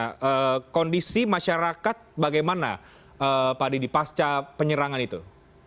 nah kondisi masyarakat bagaimana pak didi pasca penyerangan itu